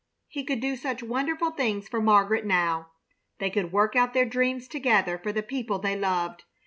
He could do such wonderful things for Margaret now. They could work out their dreams together for the people they loved.